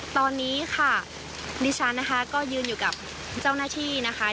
ตอนนี้ค่ะดิฉันนะคะก็ยืนอยู่กับเจ้าหน้าที่นะคะ